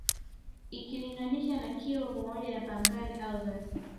Ikilinganishwa na Kilwa pamoja na Pangani au Zanzibar